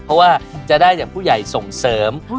เพราะว่าจะได้จากผู้ใหญ่ส่งเสริม